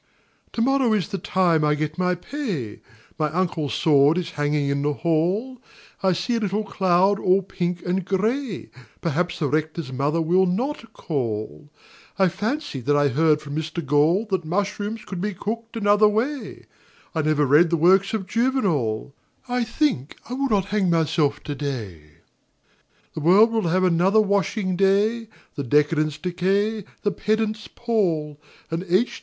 To morrow is the time I get my pay— My uncle's sword is hanging in the hall — I see a little cloud all pink and grey — Perhaps the rector's mother will not call — I fancy that I heard from Mr. Oall That mushrooms could be cooked anothei^ way I never read the works of Juvenal ^ I think I will not hang myself to day. The world will have another washing day; The decadents decay; the pedants pall; And H.